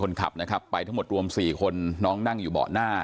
คนขับนะครับไปทั้งหมดรวม๔คนน้องนั่งอยู่เบาะหน้า